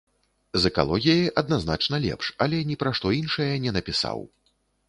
З экалогіяй адназначна лепш, але ні пра што іншае не напісаў.